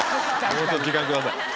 もうちょっと時間ください。